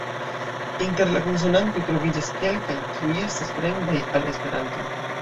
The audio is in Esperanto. Inter la konsonantoj troviĝas kelkaj, kiuj estas fremdaj al esperanto.